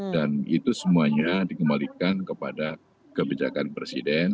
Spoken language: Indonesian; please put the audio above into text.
dan itu semuanya dikembalikan kepada kebijakan presiden